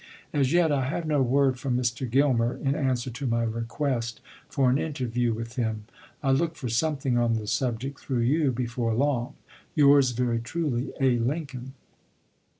As yet, I have no word from Mr. Gilmer, in answer to my request for an interview with him. I look for something MS. on the subject, through you, before long. Yours very truly, A. Lincoln.